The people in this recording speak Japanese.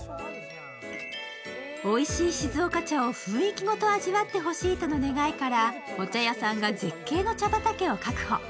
おいしい静岡茶を雰囲気ごと味わってほしいとの願いからお茶屋さんが絶景の茶畑を確保。